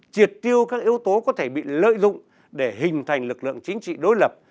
triệt tiêu các yếu tố có thể bị lợi dụng để hình thành lực lượng chính trị đối lập